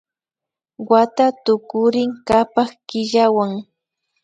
Wata tukurin kapak killawan